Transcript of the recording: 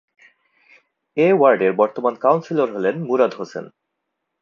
এ ওয়ার্ডের বর্তমান কাউন্সিলর হলেন মুরাদ হোসেন।